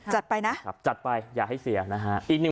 จัดไปนะครับจัดไปอย่าให้เสียนะฮะ